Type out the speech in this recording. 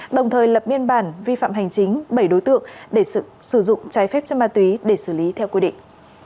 đồng thời lập biên bản vi phạm hành chính bảy đối tượng để sử dụng trái phép chất ma túy để xử lý theo quy định